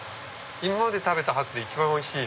今まで食べたハツで一番おいしい。